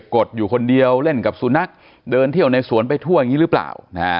กดอยู่คนเดียวเล่นกับสุนัขเดินเที่ยวในสวนไปทั่วอย่างนี้หรือเปล่า